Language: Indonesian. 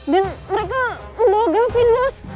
dan mereka membawa galvin bos